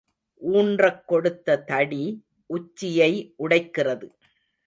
ஊன்றக் கொடுத்த தடி உச்சியை உடைக்கிறது.